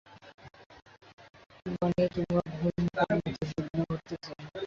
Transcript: মানে, তোমার ঘুমে কোনোরকম বিঘ্ন ঘটাতে চাই না।